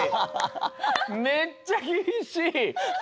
めっちゃきびしい！